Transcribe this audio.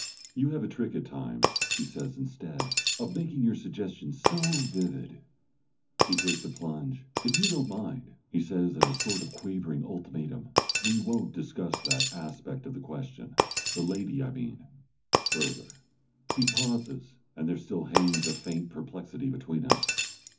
"You have a trick at times," he says instead, "of making your suggestions so vivid " He takes a plunge. "If you don't mind," he says in a sort of quavering ultimatum, "we won't discuss that aspect of the question the lady, I mean further." He pauses, and there still hangs a faint perplexity between us.